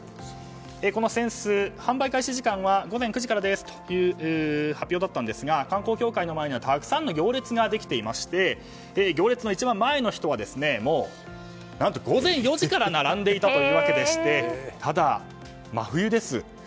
この扇子、販売開始時間は午前９時からですという発表でしたが観光協会の前にはたくさんの行列ができていまして行列の一番前の人は何と午前４時から並んでいたというわけでしてただ、真冬です。